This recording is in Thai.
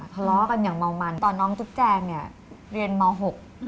พล้อกันอย่างเมามันตอนน้องจุ๊บแจงเรียนเมาส์๖